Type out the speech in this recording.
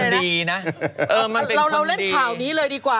ดีนะเราเล่นข่าวนี้เลยดีกว่า